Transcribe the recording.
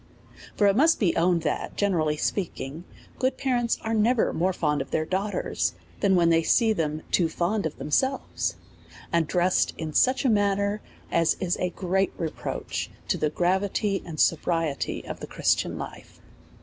For it must be owned, that, generally speaking, good parents are never more fond of their daughters, than when they sec them too fond of themselves, and dressed in such a manner, as is a great reproach to the gravity and sobriety of the Christian life.